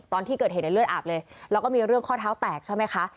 ตอนที่เกิดเหตุในเลือดอาบเลยแล้วก็มีเรื่องข้อเท้าแตกใช่ไหมคะ